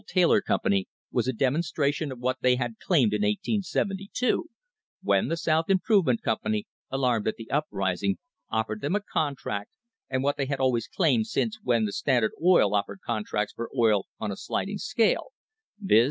Taylor Company was a demonstration of what they had claimed in 1872, when the South Improvement Company, alarmed at the uprising, offered them a contract, and what they had always claimed since when the Standard offered contracts for oil on a sliding scale, viz.